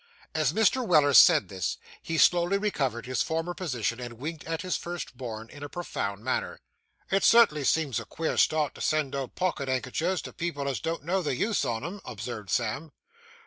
As Mr. Weller said this, he slowly recovered his former position, and winked at his first born, in a profound manner. 'It cert'nly seems a queer start to send out pocket 'ankerchers to people as don't know the use on 'em,' observed Sam.